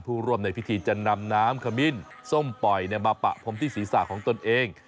ร่วมในพิธีจะนำน้ำขมิ้นส้มปล่อยมาปะพรมที่ศีรษะของตนเอง